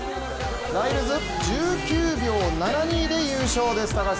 ライルズ、１９秒７２で優勝です。